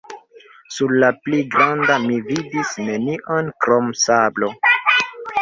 Sur la pli granda mi vidis nenion krom sablo.